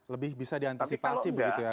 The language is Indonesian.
lebih bisa diantisipasi begitu ya